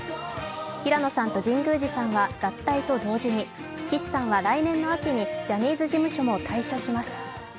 平野さんと神宮司さんは脱退と同時に岸さんは来年の秋にジャニーズ事務所も退所します。